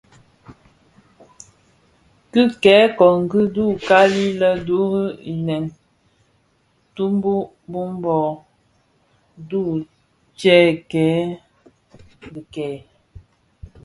Ki kè kongi dhu kali lè duri ideň bituu bum bō dhubtèngai dikèè.